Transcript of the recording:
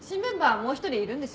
もう一人いるんですよね？